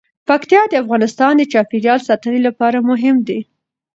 پکتیا د افغانستان د چاپیریال ساتنې لپاره مهم دي.